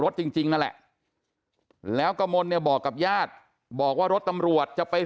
จริงนั่นแหละแล้วกระมนเนี่ยบอกกับญาติบอกว่ารถตำรวจจะไป